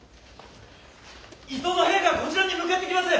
伊東の兵がこちらに向かってきます！